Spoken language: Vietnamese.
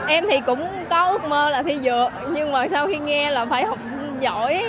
em thì cũng có ước mơ là thi dược nhưng mà sau khi nghe là phải học giỏi